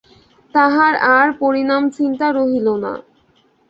তাহার আর পরিণামচিন্তা রহিল না।